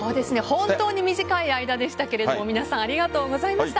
本当に短い間でしたが皆さん、ありがとうございました。